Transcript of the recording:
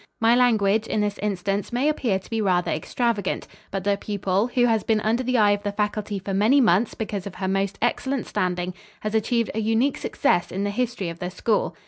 My language, in this instance, may appear to be rather extravagant, but the pupil, who has been under the eye of the faculty for many months because of her most excellent standing, has achieved a unique success in the history of the school.